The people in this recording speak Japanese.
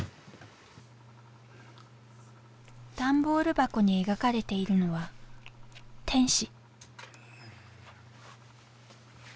段ボール箱に描かれているのは天使。